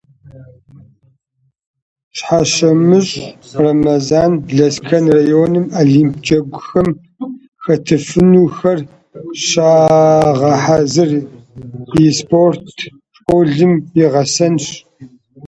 Щхьэщэмыщӏ Рэмэзан Лэскэн районым Олимп джэгухэм хэтыфынухэр щагъэхьэзыр и спорт школым и гъэсэнщ.